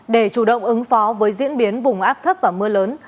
để chủ động ứng phó với diễn biến vùng áp thấp và mưa lớn